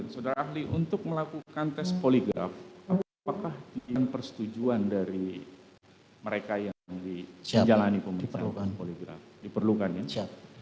saudara ahli untuk melakukan tes poligraf apakah dengan persetujuan dari mereka yang menjalani pemeriksaan poligraf diperlukan ya